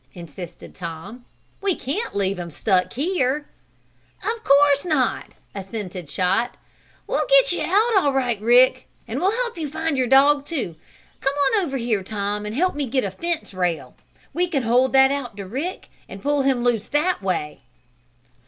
insisted Tom. "We can't leave him stuck here!" "Of course not!" assented Chot. "We'll get you out all right, Rick, and we'll help you find your dog, too. Come on over here, Tom, and help me get a fence rail. We can hold that out to Rick and pull him loose that way!"